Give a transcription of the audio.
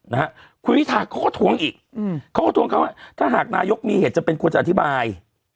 นะฮะคุณวิทาเขาก็ทวงอีกอืมเขาก็ทวงเขาว่าถ้าหากนายกมีเหตุจำเป็นควรจะอธิบาย